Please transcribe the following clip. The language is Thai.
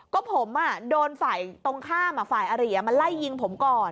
ก็ผมโดนฝ่ายตรงข้ามฝ่ายอารีมาไล่ยิงผมก่อน